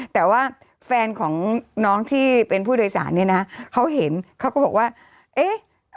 แต่ว่าแฟนของน้องที่เป็นผู้โดยสารเนี่ยนะเขาเห็นเขาก็บอกว่าเอ๊ะ